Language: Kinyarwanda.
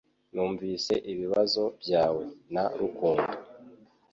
Numvise ibibazo byawe na rukundo.